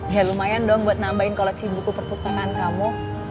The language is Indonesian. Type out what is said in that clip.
ya lumayan dong buat nambahin koleksi buku perpustakaan kamu